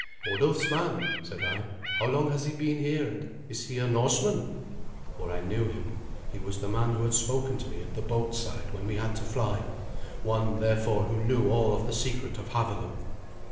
"Hodulf's man," said I; "how long has he been here, and is he a Norseman?" For I knew him. He was the man who had spoken to me at the boat side when we had to fly one, therefore, who knew all of the secret of Havelok.